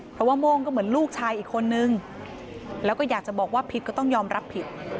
เพราะว่าโม่งก็เหมือนลูกชายอีกคนนึงแล้วก็อยากจะบอกว่าผิดก็ต้องยอมรับผิด